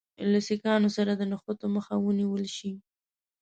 له سیکهانو سره د نښتو مخه ونیوله شي.